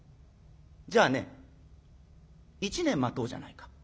じゃあね１年待とうじゃないか。